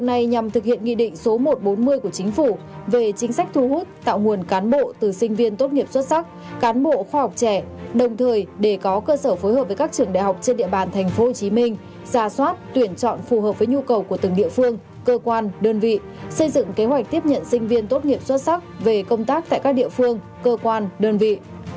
giả soát tuyển chọn phù hợp với nhu cầu của từng địa phương cơ quan đơn vị xây dựng kế hoạch tiếp nhận sinh viên tốt nghiệp xuất sắc về công tác tại các địa phương cơ quan đơn vị